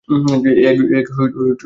এ এক বিশাল আয়োজন।